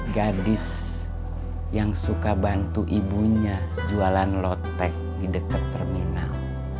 gadis yang suka bantu ibunya jualan lotek di dekat terminal